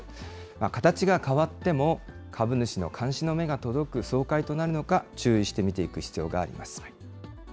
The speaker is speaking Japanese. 形が変わっても、株主の監視の目が届く総会となるのか、注意して見ていく必要があります。